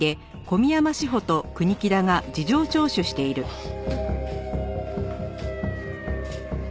あっ。